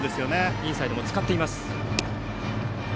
インサイドも使っていきます。